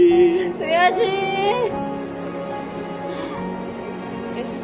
悔しい！よし。